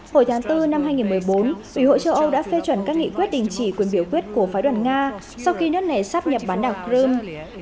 hồi tháng bốn năm hai nghìn một mươi bốn ủy hội châu âu đã phê chuẩn các nghị quyết đình chỉ quyền biểu quyết của phái đoàn nga sau khi nước này sắp nhập bán đảo crimea